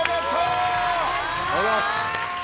ありがとうございます。